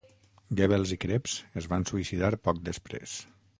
Goebbels i Krebs es van suïcidar poc després.